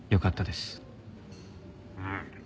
うん。